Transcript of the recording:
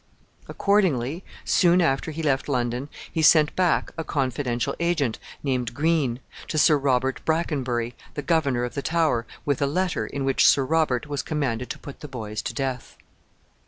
Accordingly, soon after he left London, he sent back a confidential agent, named Green, to Sir Robert Brakenbury, the governor of the Tower, with a letter, in which Sir Robert was commanded to put the boys to death.